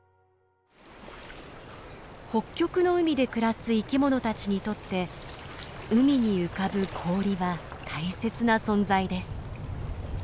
北極の海で暮らす生きものたちにとって海に浮かぶ氷は大切な存在です。